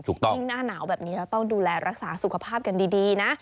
ยิ่งหน้าหนาวแบบนี้เราต้องดูแลรักษาสุขภาพกันดีนะ